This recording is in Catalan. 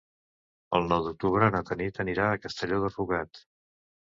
El nou d'octubre na Tanit anirà a Castelló de Rugat.